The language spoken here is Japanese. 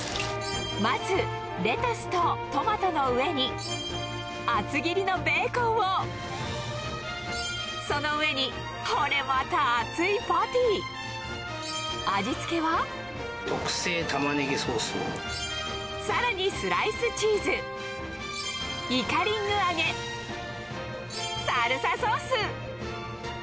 まずレタスとトマトの上に厚切りのベーコンをその上にこれまた厚いパティ味付けはさらにスライスチーズイカリング揚げあらま！